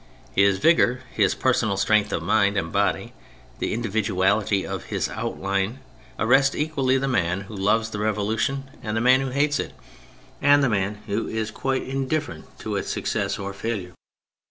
His vigour, his personal strength of mind and body, the individuality of his outline, arrest equally the man who loves the Revolution, and the man who hates it, and the man who is quite indifferent to its success or failure.